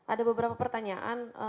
ada beberapa pertanyaan